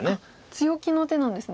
強気の手なんですね。